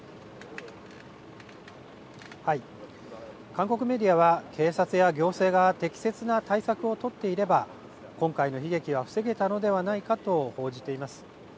韓国メディアは警察や行政が適切な対策を取っていれば今回の悲劇は防げたのではないかと報じています。